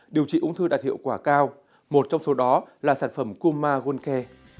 điều trị ung thư đạt hiệu quả cao một trong số đó là sản phẩm kuma gun care